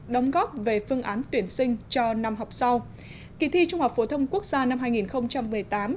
đóng góp về phương án tuyển sinh cho năm học sau kỳ thi trung học phổ thông quốc gia năm hai nghìn một mươi tám